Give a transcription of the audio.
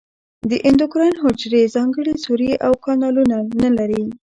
د اندوکراین حجرې ځانګړي سوري او کانالونه نه لري.